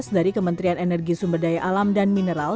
dari kementerian energi sumber daya alam dan mineral